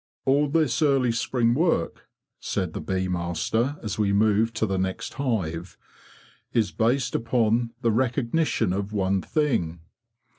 '" All this early spring work,'' said the bee master, as we moved to the next hive, '' is based upon the recognition of one thing.